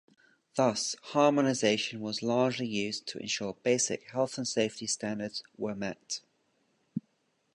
Thus harmonisation was largely used to ensure basic health and safety standards were met.